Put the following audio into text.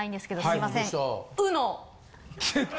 すいません。